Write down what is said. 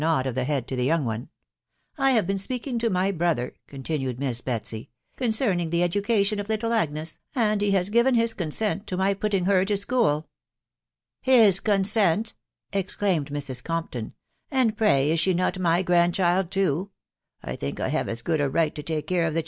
nod of> the head to the young one* "1 have been speaking to my brother," continued Miss Betsy, " concerning thev education i of little Agnes) andihe has* given his consent IfttMiy putting her* to sttufls;'' "Jffi* consenCli4' ..... exclaimed Mrau Compton ; "and, pray* is she not my granddrild too* .... I think I hare as good a right* to 'tafee care? of. the?